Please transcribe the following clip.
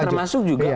dan termasuk juga